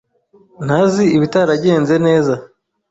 ntazi ibitaragenze neza.